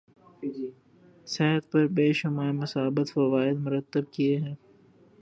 صحت پر بے شمار مثبت فوائد مرتب کیے ہیں